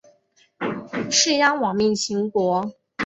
士鞅亡命秦国。